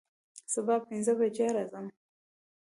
سبا پنځه بجې راځم